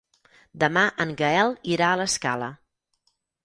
Demà en Gaël irà a l'Escala.